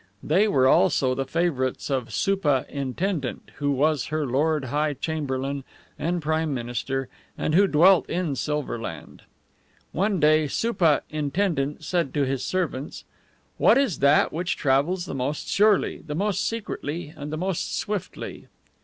They were also the favorites of SOOPAH INTENDENT, who was her Lord High Chamberlain and Prime Minister, and who dwelt in SILVER LAND. One day, SOOPAH INTENDENT said to his servants, "What is that which travels the most surely, the most secretly, and the most swiftly?"